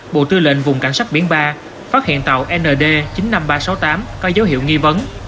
bộ tư lệnh vùng cảnh sát biển ba phát hiện tàu nd chín mươi năm nghìn ba trăm sáu mươi tám có dấu hiệu nghi vấn